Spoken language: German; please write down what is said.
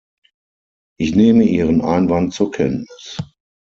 Ich nehme Ihren Einwand zur Kenntnis.